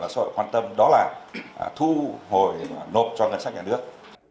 và số quan tâm đó là thu hồi nộp cho ngân sách nhà nước